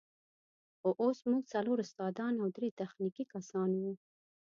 خو اوس موږ څلور استادان او درې تخنیکي کسان وو.